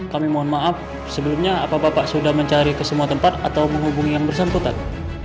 kami mohon maaf sebelumnya apa bapak sudah mencari ke semua tempat atau menghubungi yang bersangkutan